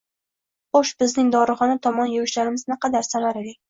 Xo‘sh, bizning dorixona tomon yurishlarimiz naqadar «samarali